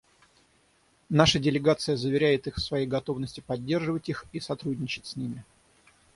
Наша делегация заверяет их в своей готовности поддерживать их и сотрудничать с ними.